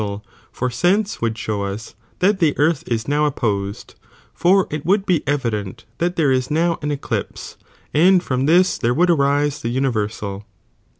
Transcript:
I I i ABl^TOTLE S OBGANOIT, for sense (would show us) tLat the earth ia now opposed, for it would be evident that there is now an •^cf. Mettp. eclipse, and from this there would arise the uni versal.'